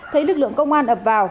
thấy lực lượng công an ập vào